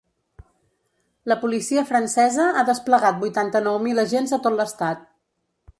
La policia francesa ha desplegat vuitanta-nou mil agents a tot l’estat.